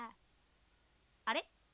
あれ？